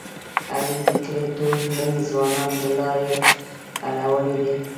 علي د کلي ټول نوی ځوانان د لارې اړولي دي.